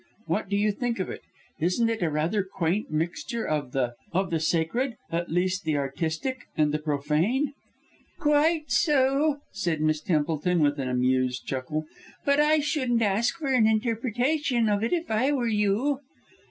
What do you think of it? Isn't it rather a quaint mixture of the of the sacred at least the artistic and the profane?" "Quite so," said Miss Templeton with an amused chuckle, "but I shouldn't ask for an interpretation of it if I were you."